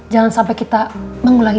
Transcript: jangan sampai kita mengulangi